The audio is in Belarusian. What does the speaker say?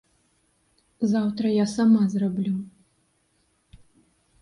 Заўтра я сама зраблю.